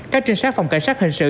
các trinh sát phòng cảnh sát hành sự